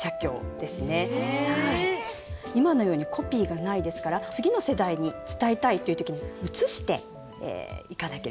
今のようにコピーがないですから次の世代に伝えたいという時に写していかなければいけないんですね。